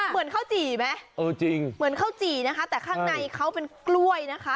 เหมือนข้าวจี่ไหมเออจริงเหมือนข้าวจี่นะคะแต่ข้างในเขาเป็นกล้วยนะคะ